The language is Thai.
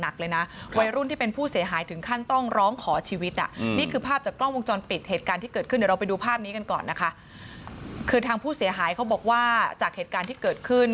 คือทางผู้เสียหายเขาบอกว่าจากเหตุการณ์ที่เกิดขึ้น